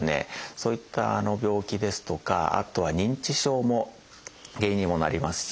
そういった病気ですとかあとは「認知症」も原因にもなりますし。